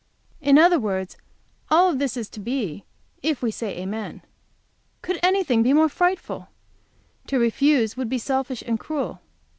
In other words, all this is to be if we say amen. Could anything be more frightful? To refuse would be selfish and cruel.